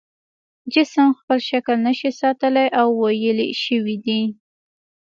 جسم خپل شکل نشي ساتلی او ویلې شوی دی.